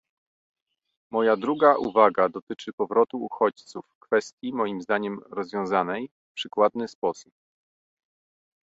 Moja druga uwaga dotyczy powrotu uchodźców, kwestii, moim zdaniem, rozwiązanej w przykładny sposób